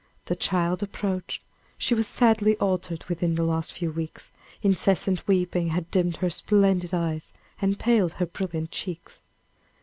The child approached; she was sadly altered within the last few weeks; incessant weeping had dimmed her splendid eyes, and paled her brilliant cheeks.